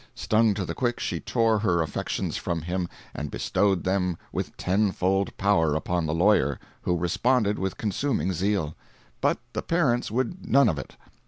Stung to the quick, she tore her affections from him and bestowed them with tenfold power upon the lawyer, who responded with consuming zeal. But the parents would none of it.